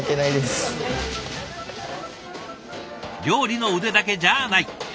料理の腕だけじゃあない。